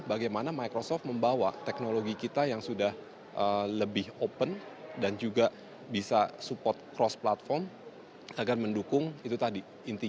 bagaimana microsoft membawa teknologi kita yang sudah lebih open dan juga bisa support cross platform agar mendukung itu tadi intinya mendukung empowered people dan juga organization